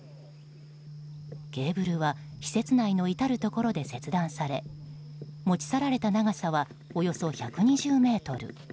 ケーブルは施設内の至るところで切断され持ち去られた長さはおよそ１２０ｍ。